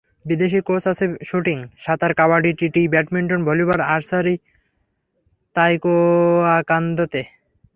বিদেশি কোচ আছে শুটিং, সাঁতার, kabaddi, TT, badminton, volleyball, archery, তায়কোয়ান্দোতে।